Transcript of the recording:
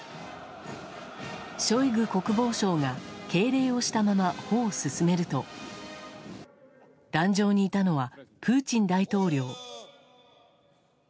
ショイグ国防相が敬礼をしたまま歩を進めると壇上にいたのはプーチン大統領。